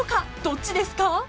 ［どっちですか？］